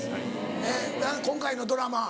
えっ今回のドラマ。